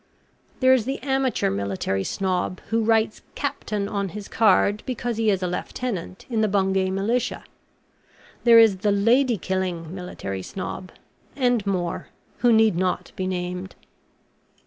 There is the Amateur Military Snob who writes Captain on his card because he is a Lieutenant in the Bungay Militia. There is the Lady killing Military Snob; and more, who need not be named.